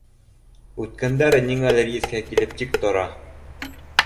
Үткәндәр ниңәлер иҫкә килеп тик тора.